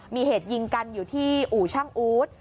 มีเหตุยิงกันอยู่ที่อู่ช่างอู๊ด